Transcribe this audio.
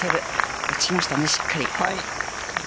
打ちましたね、しっかり。